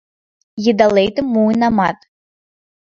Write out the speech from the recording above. Йыдалетым муынамат.